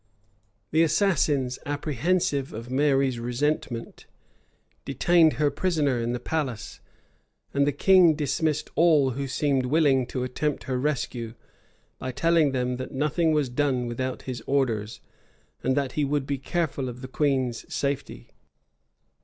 The assassins, apprehensive of Mary's resentment, detained her prisoner in the palace; and the king dismissed all who seemed willing to attempt her rescue, by telling them, that nothing was done without his orders, and that he would be careful of the queen's safety.